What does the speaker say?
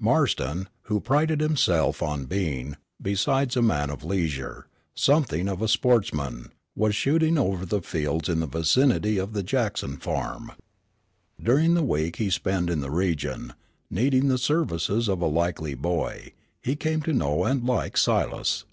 Marston, who prided himself on being, besides a man of leisure, something of a sportsman, was shooting over the fields in the vicinity of the Jackson farm. During the week he spent in the region, needing the services of a likely boy, he came to know and like Silas.